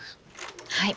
はい。